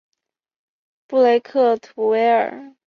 布雷克图维尔。